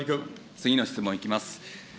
次の質問いきます。